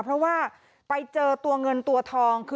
เพราะว่าไปเจอตัวเงินตัวทอง